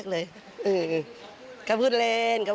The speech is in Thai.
ครูปุ้มสัตว์สินค้า